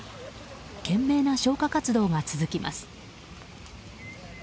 懸命な消火活動が続きます。